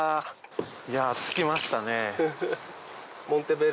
いやぁ着きましたね。